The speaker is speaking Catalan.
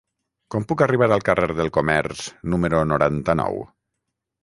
Com puc arribar al carrer del Comerç número noranta-nou?